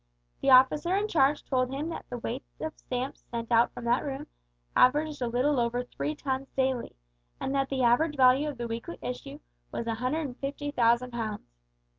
The officer in charge told him that the weight of stamps sent out from that room averaged a little over three tons daily, and that the average value of the weekly issue was 150,000 pounds.